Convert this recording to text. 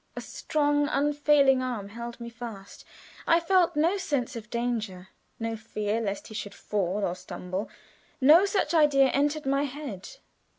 A strong, unfailing arm held me fast. I felt no sense of danger, no fear lest he should fall or stumble; no such idea entered my head.